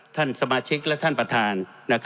ท่านสมาชิกและท่านประธาน